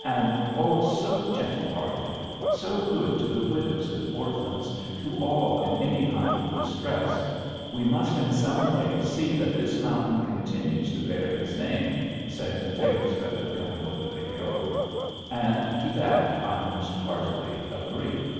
And oh, so gentle hearted! So good to the widows and orphans; to all in any kind of distress! We must in some way see that this mountain continues to bear his name," said Tail Feathers Coming over the Hill. And to that I most heartily agree.